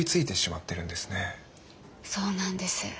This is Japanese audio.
そうなんです。